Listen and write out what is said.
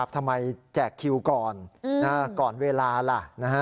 ทำไมแจ้กคิวก่อนก่อนเวลาล่ะ